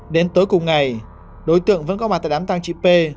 đến tối cùng ngày đối tượng vẫn có mặt tại đám tàng chị p